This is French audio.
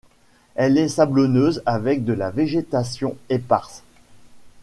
Elle est sablonneuse avec de la végétation éparse.